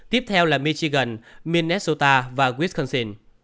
tiếp theo là michigan minnesota và wisconsin